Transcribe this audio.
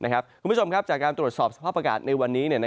คุณผู้ชมครับจากการตรวจสอบสภาพอากาศในวันนี้